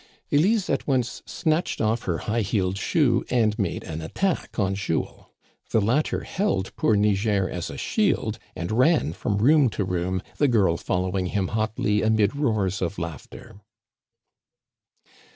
Elise at once snatched off" her high heeled shoe, and made an attack on Jules. The latter held poor Niger as a shield, and ran from room to room, the girl follow ing him hotly amid roars of laughter.